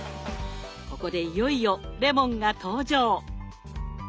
ここでいよいよレモンが登場！